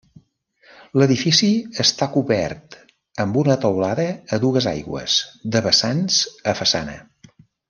L'edifici està cobert amb una teulada a dues aigües de vessants a façana.